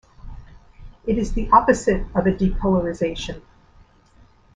It is the opposite of a depolarization.